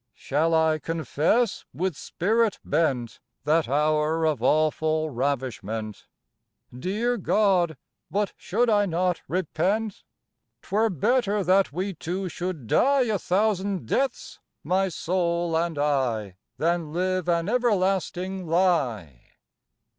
Shall I confess with spirit bent That hour of awful ravishment? Dear God, but should I not repent? 'Twere better that we two should die A thousand deaths, my soul and I, Than live an everlasting lie!